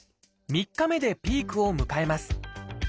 ３日目でピークを迎えます。